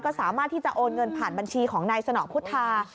ก็สามารถที่จะโอนเงินผ่านบัญชีของนายสนอพุทธา